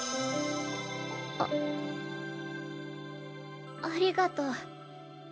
あありがとう。